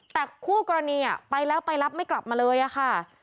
แต่คู่กรณีไปแล้วไปรับไม่กลับมาเลยอะค่ะ